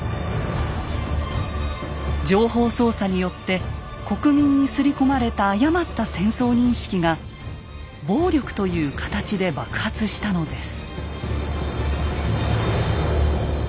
情報操作によって国民に刷り込まれた誤った戦争認識が暴力という形で爆発したのです。